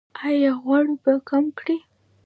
ایا غوړ به کم کړئ؟